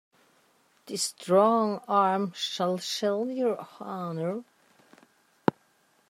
This strong arm shall shield your honor.